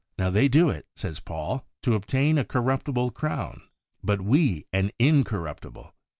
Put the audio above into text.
'Now they do it,' says Paul, 'to obtain a corruptible crown, but we an in corruptible.